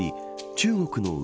中国の内